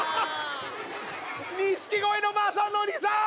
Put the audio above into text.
錦鯉の雅紀さん！